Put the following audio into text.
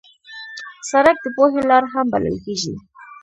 سړک د پوهې لار هم بلل کېږي.